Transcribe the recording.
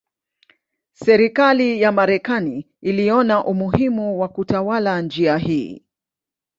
Serikali ya Marekani iliona umuhimu wa kutawala njia hii.